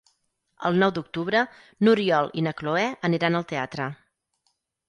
El nou d'octubre n'Oriol i na Cloè aniran al teatre.